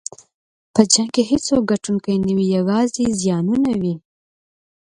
په جنګ کې هېڅوک ګټونکی نه وي، یوازې زیانونه وي.